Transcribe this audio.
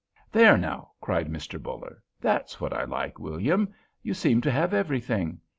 "There now!" cried Mr. Buller. "That's what I like. William, you seem to have everything!